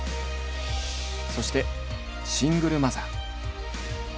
そしてシングルマザー。